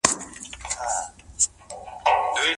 ابو عبيده د عدالت يوه بېلګه وه.